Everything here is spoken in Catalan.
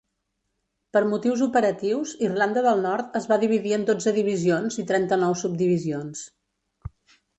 Per motius operatius, Irlanda del Nord es va dividir en dotze Divisions i trenta-nou Subdivisions.